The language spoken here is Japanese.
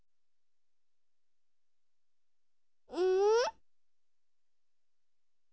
うん？